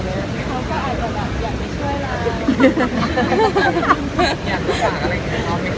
เขาก็ถามเหรอว่าเป็นเกิดอะไรพูด